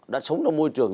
đã sống trong môi trường